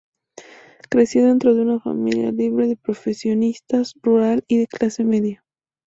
Creció dentro de una familia liberal de profesionistas, rural y de clase media.